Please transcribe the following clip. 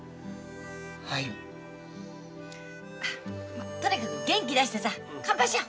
まあとにかく元気出してさ乾杯しよう。